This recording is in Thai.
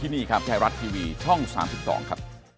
นี่แค่รัททีวีช่อง๓๒ครับ